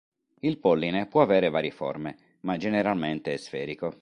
Il polline può avere varie forme ma generalmente è sferico.